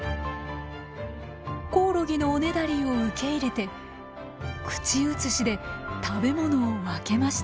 コオロギのおねだりを受け入れて口移しで食べ物を分けました。